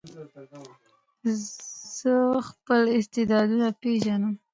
زه خپل استعدادونه پېژنم.